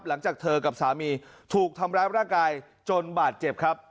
หลังจากเธอกับสามีถูกทำร้ายร่างกายจนบาดเจ็บครับ